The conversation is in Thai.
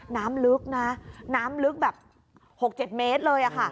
น้ำลึกนะน้ำลึกแบบ๖๗เมตรเลยค่ะ